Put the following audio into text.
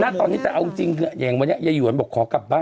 ณตอนนี้แต่เอาจริงคืออย่างวันนี้ยายหวนบอกขอกลับบ้าน